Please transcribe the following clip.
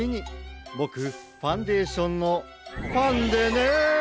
ボクファンデーションのファンでね！